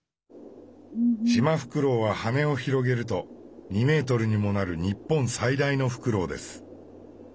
シマフクロウは羽を広げると２メートルにもなる日本最大のフクロウです。